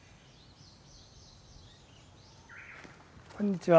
こんにちは。